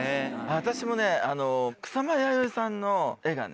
私もね草間彌生さんの絵がね